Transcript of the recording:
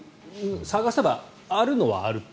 探せば、あるのはあると。